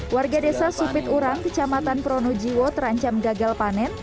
warga desa supiturang kecamatan pronojiwo terancam gagal panen